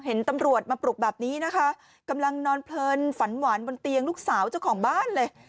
เห็นตำรวจมาปลุกแบบนี้นะคะกำลังนอนเพลินฝันหวานบนเตียงลูกสาวเจ้าของบ้านเลย